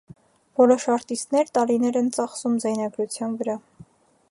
Որոշ արտիստներ տարիներ են ծախսում ձայնագրության վրա։